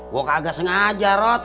gue kagak sengaja rot